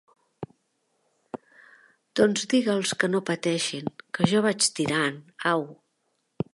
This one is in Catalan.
Doncs digue'ls que no pateixin, que jo vaig tirant, au!